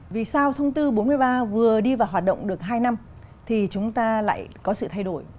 vì sao thông tư bốn mươi ba vừa đi vào hoạt động được hai năm thì chúng ta lại có sự thay đổi